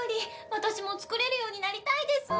私も作れるようになりたいです。